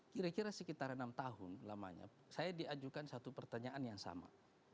kira kira sekitar enam tahun lamanya saya diajukan satu pertanyaan yang sama